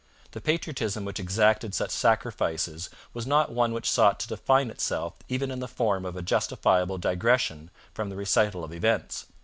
The patriotism which exacted such sacrifices was not one which sought to define itself even in the form of a justifiable digression from the recital of events.